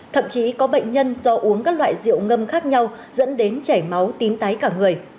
thậm chí có bệnh nhân do uống các loại rượu ngâm khác nhau dẫn đến chảy máu tím tái cả người